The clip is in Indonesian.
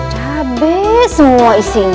cabai semua isinya